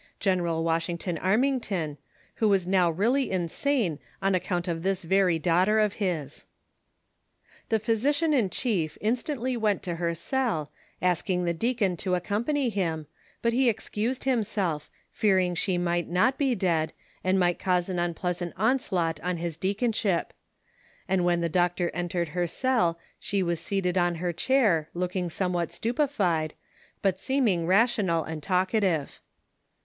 General Washington Armington, who was now really insane on account of this very daughter of his. The physician in chief instantly went to her cell, asking the deacon to accompany him, but he excused himself, fearing she might not be dead, and might cause an implea sant onslaught on his deaconsliip ; and when the doctor entered her cell she was seated on her chair, looking some what stupefied, but seeming rational and talkative.